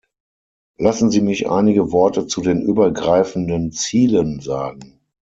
Lassen Sie mich einige Worte zu den übergreifenden Zielen sagen.